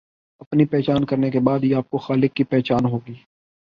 اپنی پہچان کرنے کے بعد ہی آپ کو خالق کی پہچان ہوگی